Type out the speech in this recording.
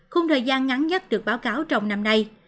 khung thời gian ngắn nhất được báo cáo trong năm nay